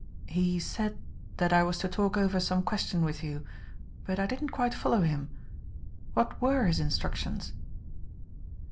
"He said that I was to talk over some question with you, but I didn't quite follow him. What were his instructions?"